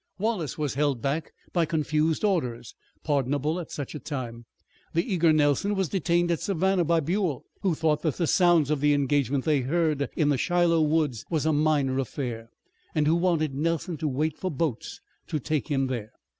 Wallace was held back by confused orders, pardonable at such a time. The eager Nelson was detained at Savannah by Buell, who thought that the sounds of the engagement they heard in the Shiloh woods was a minor affair, and who wanted Nelson to wait for boats to take him there.